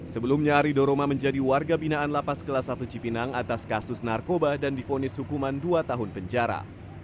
sebelumnya rido roma menjadi warga binaan lapas kelas satu cipinang atas kasus narkoba dan difonis hukuman dua tahun penjara